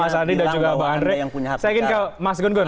saya ingin ke mas gun gun